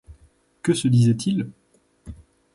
Que se disaient-ils ?